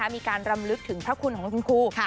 มีการรำลึกถึงพระคุณของคุณครู